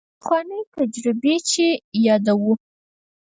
پخوانۍ تجربې چې یادوو.